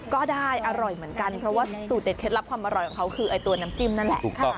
ก็ได้อร่อยเหมือนกันเพราะว่าสูตรเด็ดเคล็ดลับความอร่อยของเขาคือตัวน้ำจิ้มนั่นแหละ